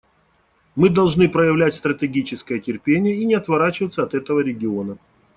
Мы должны проявлять стратегическое терпение и не отворачиваться от этого региона.